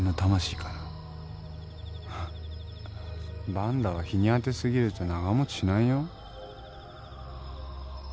バンダは日に当てすぎると長持ちしないよ。